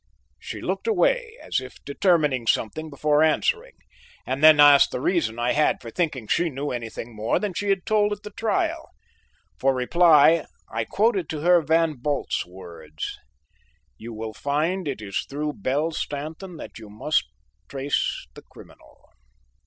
She looked away, as if determining something before answering, and then asked what reason I had for thinking she knew anything more than she had told at the trial. For reply, I quoted to her Van Bult's words: "You will find it is through Belle Stanton that you must trace the criminal."